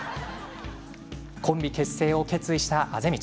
コンビ結成を決意した畦道。